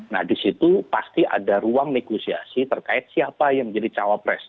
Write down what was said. nah disitu pasti ada ruang negosiasi terkait siapa yang menjadi cawapres